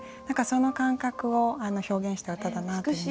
何かその感覚を表現した歌だなと。